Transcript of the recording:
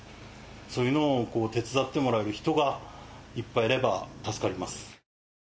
そういうのを手伝ってもらえる人がいっぱいいれば助かります。